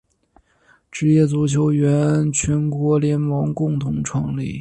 职业足球员全国联盟共同创立。